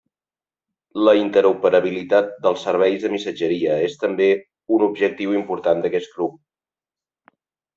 La interoperabilitat dels serveis de missatgeria és també un objectiu important d'aquest grup.